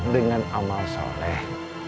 dengan amal soleh